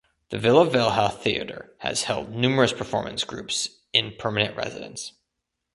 The Vila Velha Theater has held numerous performance groups in permanent residence.